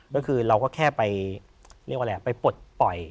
เราก็แค่ไปปลดปล่อย